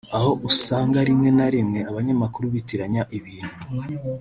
aho usanga rimwe na rimwe abanyamakuru bitiranya ibintu